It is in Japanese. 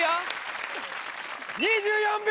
２４秒！